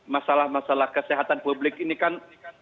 masalah masalah kesehatan publik ini kan